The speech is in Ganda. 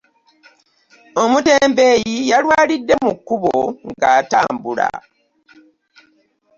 Omutembeeyi yalwalidde mu kubo ng'atambira.